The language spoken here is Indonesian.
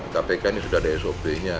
kpk ini sudah ada sop nya